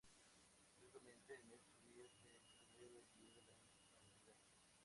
Históricamente, en este día se celebra el día de la Hispanidad.